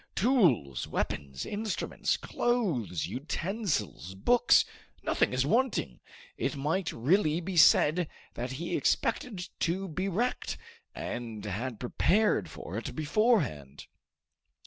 Tools, weapons, instruments, clothes, utensils, books nothing is wanting! It might really be said that he expected to be wrecked, and had prepared for it beforehand."